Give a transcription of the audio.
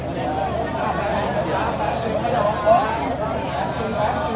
เทมภาษาที่ชนะแทไก่ต้องเก็บไม่ทรมาน